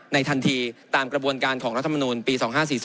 ทันทีตามกระบวนการของรัฐมนูลปี๒๕๔๔